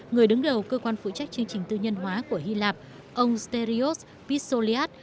người đứng đầu cơ quan phụ trách chương trình tư nhân hóa của hy lạp ông stereos pissoliad